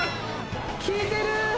効いてる！